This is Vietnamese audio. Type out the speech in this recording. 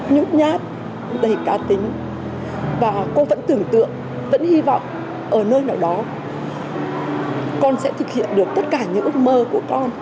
nhút nhát đầy cá tính và cô vẫn tưởng tượng vẫn hy vọng ở nơi nào đó con sẽ thực hiện được tất cả những ước mơ của con